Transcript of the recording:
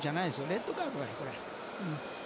レッドカードだよ、これは。